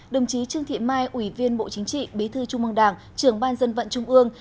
đồng chí trương thị mai ủy viên bộ chính trị bí thư trung mong đảng trưởng ban dân vận trung ương